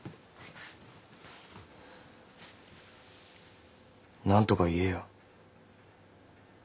何とか言えよ。